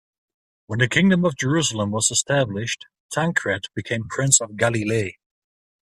When the Kingdom of Jerusalem was established, Tancred became Prince of Galilee.